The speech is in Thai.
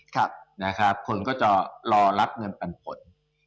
คนก็จะรอรับเงินปันผล